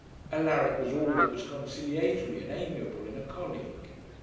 Alaric was all that was conciliatory and amiable in a colleague.